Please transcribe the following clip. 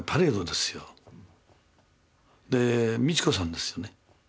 で美智子さんですよね。